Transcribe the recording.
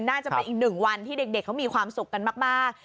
น่าจะเป็นอีกหนึ่งวันที่เด็กเขามีความสุขกันมาก